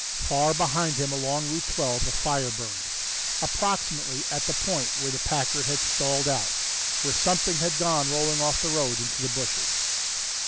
Far behind him along Route Twelve, a fire burned. Approximately at the point where the Packard had stalled out, where something had gone rolling off the road into the bushes....